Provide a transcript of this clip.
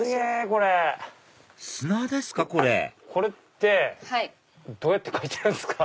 これこれってどうやって描いてるんすか？